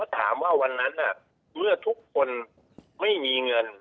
ถามว่าวันนั้นเมื่อทุกคนไม่มีเงิน